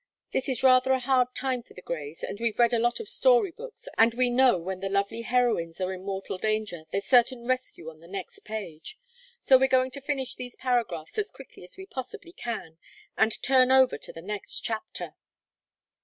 This is rather a hard time for the Greys, but we've read lots of storybooks, and we know when the lovely heroines are in mortal danger there's certain rescue on the next page. So we're going to finish these paragraphs as quickly as we possibly can, and turn over to the next chapter."